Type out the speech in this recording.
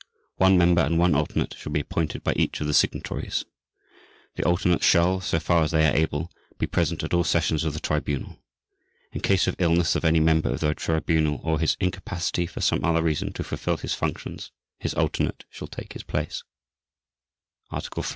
One member and one alternate shall be appointed by each of the Signatories. The alternates shall, so far as they are able, be present at all sessions of the Tribunal. In case of illness of any member of the Tribunal or his incapacity for some other reason to fulfill his functions, his alternate shall take his place. _Article 3.